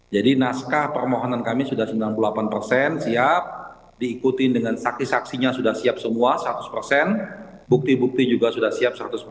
jadi naskah permohonan kami sudah sembilan puluh delapan siap diikuti dengan saksi saksinya sudah siap semua seratus bukti bukti juga sudah siap seratus